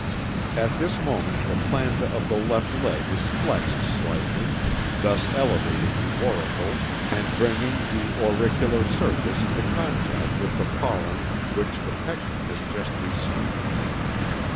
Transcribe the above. At this moment the planta of the left leg is flexed slightly, thus elevating the auricle and bringing the auricular surface into contact with the pollen which the pecten has just received.